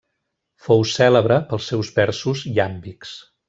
Fou cèlebre pels seus versos iàmbics.